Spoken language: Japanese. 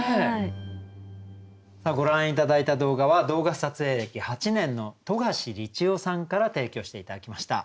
ご覧頂いた動画は動画撮影歴８年の冨樫理知夫さんから提供して頂きました。